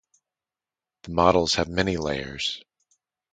The models have many layers.